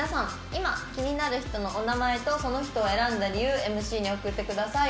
今気になる人のお名前とその人を選んだ理由ＭＣに送ってください。